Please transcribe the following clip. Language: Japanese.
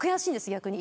逆に。